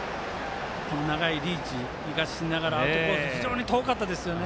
長いリーチを生かしながらアウトコース、遠かったですね。